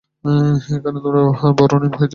এখানে তোমার বড়ো অনিয়ম হইতেছে।